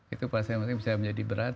itu pasti bisa menjadi berat